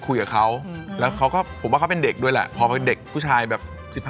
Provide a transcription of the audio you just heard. ก็ใดแล้วคุยกับเค้าแล้วเค้าก็ผมว่าเค้าเป็นเด็กด้วยแหละพอเป็นเด็กผู้ชายแบบ๑๕๑๖